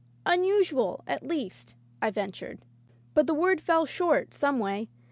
"Unusual, at least,'* I ventured. But the word fell short, some way.